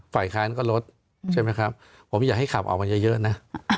ฝ่ายค้านก็ลดผมอยากให้ขับออกมาเยอะนะ